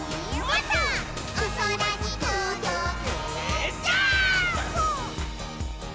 「おそらにとどけジャンプ！！」